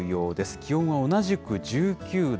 気温は同じく１９度。